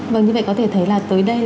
vâng như vậy có thể thấy là tới đây